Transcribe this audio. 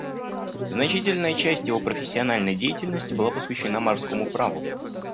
Значительная часть его профессиональной деятельности была посвящена морскому праву.